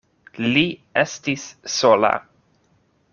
Li estis sola.